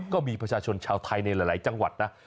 ก็มีประชาชนชาวไทยในหลายจังหวัดนะ